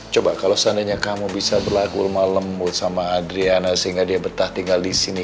coba kalau seandainya kamu bisa berlagul malem sama adriana sehingga dia betah tinggal di sini